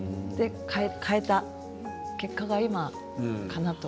変えた結果が今かなと。